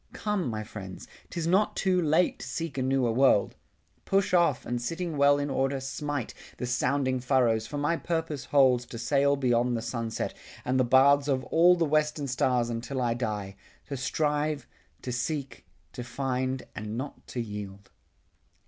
... Come my friends, 'Tis not too late to seek a newer world. Push off, and sitting well in order smite The sounding furrows; for my purpose holds To sail beyond the sunset, and the baths Of all the Western stars until I die To strive, to seek, to find and not to yield."